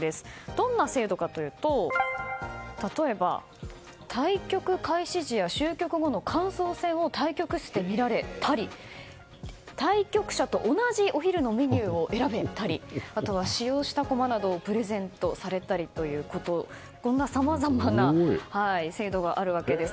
どんな制度かというと例えば、対局開始時や終局後の感想戦を対局室で見られたり対局者と同じお昼のメニューを選べたりあとは使用した駒などをプレゼントされたりとこんなさまざまな制度があるわけです。